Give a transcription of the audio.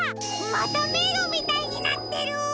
まためいろみたいになってる！